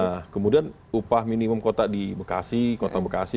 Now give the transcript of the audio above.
nah kemudian upah minimum kota di bekasi kota bekasi